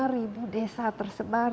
tujuh puluh lima ribu desa tersebar